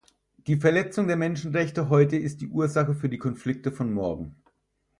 Die Verletzung der Menschenrechte heute ist die Ursache für die Konflikte von morgen.